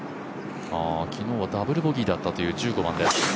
昨日はダブルボギーだったという１５番です。